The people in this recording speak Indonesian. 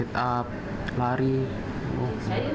yang terutama adalah dukungan dari kedua orang